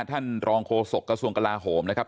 ท่านรองโฆษกระทรวงกลาโหมนะครับ